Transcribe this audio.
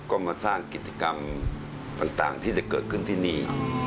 ก็มาสร้างกิจกรรมต่างที่จะเกิดขึ้นที่นี่